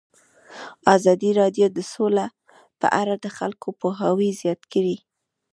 ازادي راډیو د سوله په اړه د خلکو پوهاوی زیات کړی.